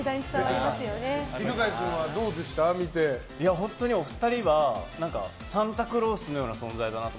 本当にお二人はサンタクロースのような存在で。